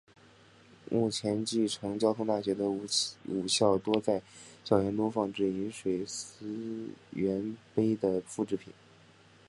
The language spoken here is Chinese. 目前继承交通大学的五校多在校园中放置饮水思源碑的复制品。